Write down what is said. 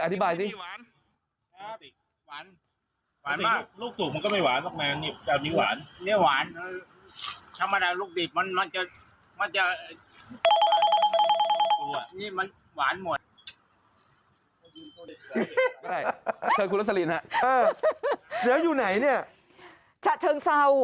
เดี๋ยวอยู่ไหนเนี่ย